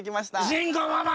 慎吾ママ！